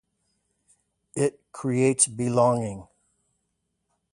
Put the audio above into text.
It creates belonging.